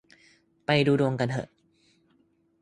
ไปดูดวงกันเหอะ